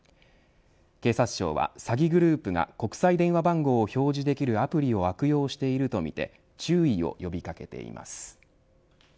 警察庁は、詐欺グループが国際電話番号を表示できるアプリを悪用しているとみて注意を呼び掛けています。